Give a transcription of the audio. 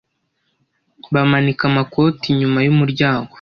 Bamanika amakoti inyuma y'umuryango.